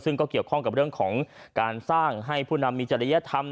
ซึ่งก็เกี่ยวข้องกับเรื่องของการสร้างให้ผู้นำมีจริยธรรม